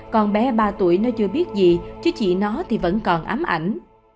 con bé ba tuổi nó chưa biết gì chứ chị nó thì vẫn còn ấm ảnh